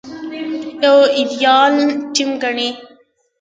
يو ايديال ټيم ګڼي.